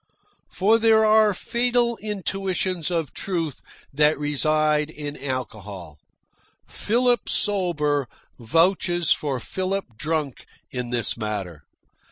For there are fatal intuitions of truth that reside in alcohol. Philip sober vouches for Philip drunk in this matter.